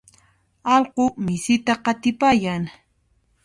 allqu misita qatipayan.